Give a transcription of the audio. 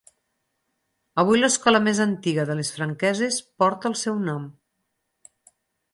Avui l'escola més antiga de les Franqueses porta el seu nom.